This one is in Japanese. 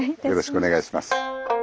よろしくお願いします。